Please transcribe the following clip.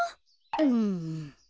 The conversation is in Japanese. うん。